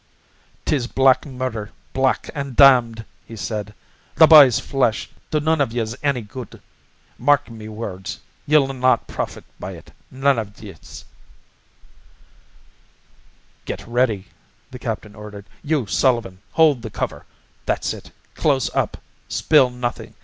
"'Tis black murder, black an' damned," he said. "The b'y's flesh'll do none iv yez anny good. Mark me words. Ye'll not profit by it, none iv yez." "Get ready," the captain ordered. "You, Sullivan, hold the cover that's it close up. Spill nothing.